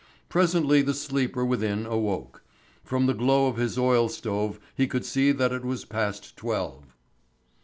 Presently the sleeper within awoke. From the glow of his oil stove he could see that it was past twelve.